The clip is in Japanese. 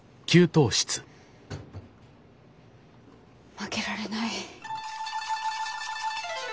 負けられない。